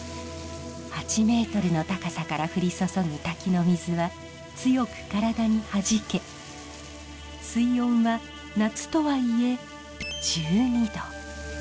８メートルの高さから降り注ぐ滝の水は強く体にはじけ水温は夏とはいえ１２度。